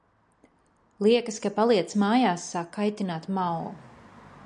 Liekas, ka paliecmājās sāk kaitināt Mao.